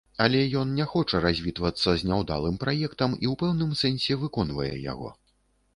Але ён не хоча развітвацца з няўдалым праектам і ў пэўным сэнсе выконвае яго.